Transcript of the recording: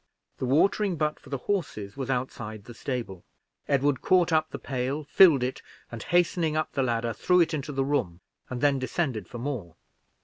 The watering butt for the horses was outside the stable; Edward caught up the pail, filled it, and hastening up the ladder, threw it into the room, and then descended for more.